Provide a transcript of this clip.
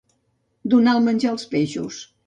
Donar el menjar als peixos.